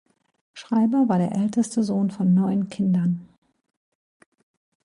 Schreiber war der älteste Sohn von neun Kindern.